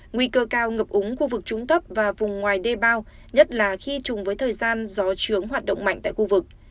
nguy cơ cao ngập ống khu vực trúng tấp và vùng ngoài đê bao nhất là khi chùng với thời gian gió trướng hoạt động mạnh tại khu vực